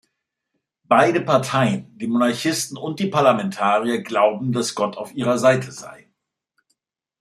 Beide Parteien, die Monarchisten und die Parlamentarier, glauben, dass Gott auf ihrer Seite sei.